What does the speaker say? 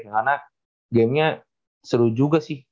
karena gamenya seru juga sih